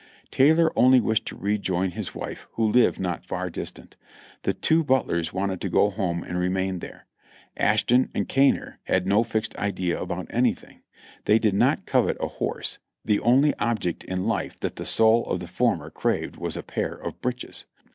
Taylor only wished to rejoin his wife, who lived not far distant; the two But lers wanted to go home and remain there; Ashton and Caynor had no fixed idea about anything ; they did not covet a horse ; the only object in life that the soul of the former craved was a pair of breeches.